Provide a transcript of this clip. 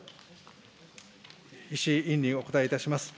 石井委員にお答えをいたします。